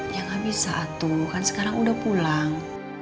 ya gak bisa atuh kan sekarang udah pulang